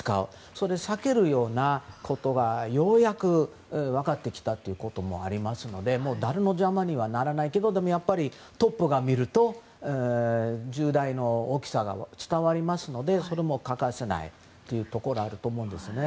それを避けるようなことがようやく分かってきたということもありますので邪魔にはならないけどやっぱりトップが見ると重大さが伝わりますのでそれも欠かせないということだと思うんですね。